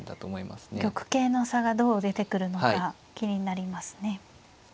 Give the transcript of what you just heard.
玉形の差がどう出てくるのか気になりますね。